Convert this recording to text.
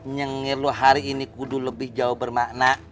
nyenggir lu hari ini kudu lebih jauh bermakna